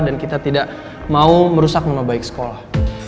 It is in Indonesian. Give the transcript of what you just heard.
dan kita tidak mau merusak nama baik sekolah